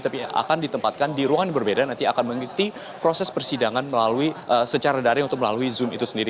tapi akan ditempatkan di ruangan yang berbeda nanti akan mengikuti proses persidangan secara daring untuk melalui zoom itu sendiri